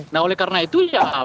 nah oleh karena itu ya